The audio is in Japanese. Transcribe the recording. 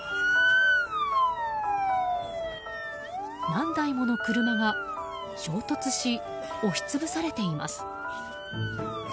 何台もの車が衝突し押し潰されています。